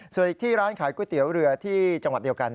ส่วนอีกที่ร้านขายก๋วยเตี๋ยวเรือที่จังหวัดเดียวกัน